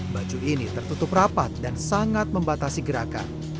baju ini tertutup rapat dan sangat membatasi gerakan